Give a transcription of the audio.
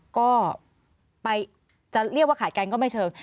ก็ไปจะเรียกว่าขาดกันก็ไม่เชิง